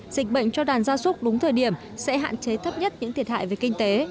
dịch bệnh cho đàn gia súc đúng thời điểm sẽ hạn chế thấp nhất những thiệt hại về kinh tế